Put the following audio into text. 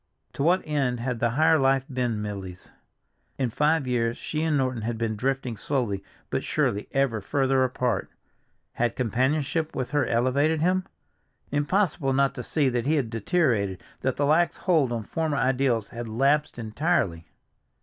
To what end had the higher life been Milly's? In five years she and Norton had been drifting slowly but surely ever further apart. Had companionship with her elevated him? Impossible not to see that he had deteriorated, that the lax hold on former ideals had lapsed entirely!